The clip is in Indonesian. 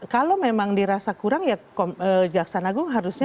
kalau memang dirasa kurang ya jaksan agung harusnya